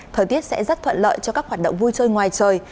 thời tiết sẽ rất thuận lợi cho các hoạt động vui chơi ngoài trời